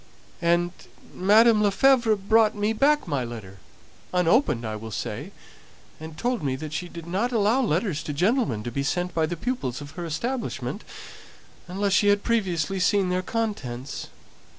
"And Mdme. Lefevre brought me back my letter, unopened, I will say; and told me that she didn't allow letters to gentlemen to be sent by the pupils of her establishment unless she had previously seen their contents.